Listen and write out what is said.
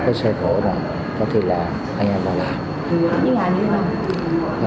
có sơ thổ này có thể là anh em mà làm